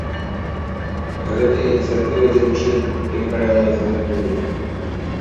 Гэта ініцыятыва дзяўчыны, якая ў нас гандлюе.